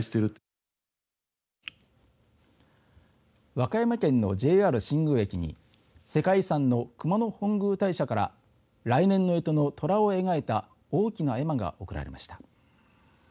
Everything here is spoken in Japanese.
和歌山県のＪＲ新宮駅に世界遺産の熊野本宮大社から来年のえとの、とらを描いた大きな絵馬が贈られました。